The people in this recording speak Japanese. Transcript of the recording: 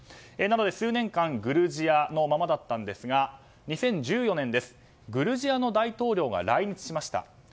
なので数年間グルジアのままだったんですが２０１４年、グルジアの大統領が来日しました。